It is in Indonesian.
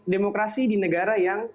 demokrasi di negara yang